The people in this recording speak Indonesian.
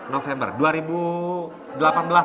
november dua ribu delapan belas